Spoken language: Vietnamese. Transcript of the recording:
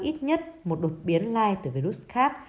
ít nhất một đột biến lai từ virus khác